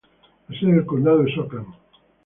La sede del condado es Oakland.